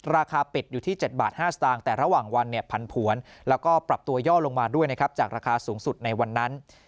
ราคาปิดอยู่ที่๗บาท๕สตางค์แต่ระหว่างวันเนี่ยผันผวนแล้วก็ปรับตัวย่อลงมาด้วยนะครับจากราคาสูงสุดในวันนั้น